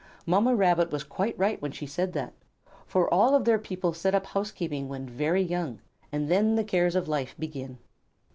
Mamma Rabbit was quite right when she said that, for all of their people set up housekeeping when very young, and then the cares of life begin.